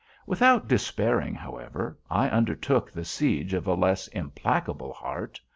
Without despairing, however, I undertook the siege of a less implacable heart.